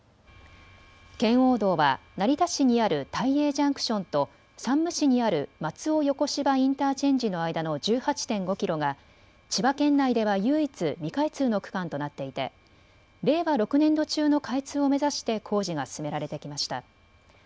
圏央道は成田市にある大栄ジャンクションと山武市にある松尾横芝インターチェンジの間の１８．５キロが千葉県内では唯一未開通の区間となっていて令和６年度中の開通を目指して工事が進められてきました。